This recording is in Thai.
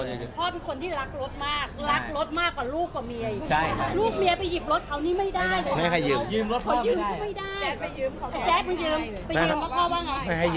ลูกเมียไปหยิบรถเท่านี้ไม่ได้